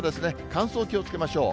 乾燥、気をつけましょう。